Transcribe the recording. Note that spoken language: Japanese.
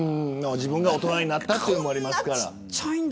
自分が大人になったというのもありますから。